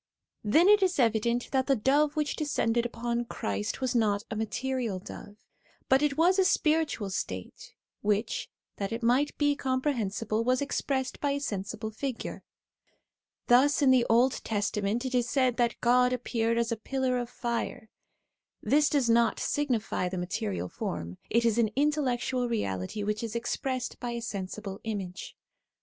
Then it is evident that the dove which descended upon Christ was not a material dove, but it was a spiritual state, which, that it might be comprehensible, was expressed by a sensible figure. Thus in the Old Testament it is said that God appeared as a pillar of fire ; this does not signify the material form, it is an in tellectual reality which is expressed by a sensible image.